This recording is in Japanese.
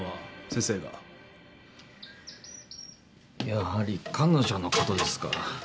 やはり彼女のことですか。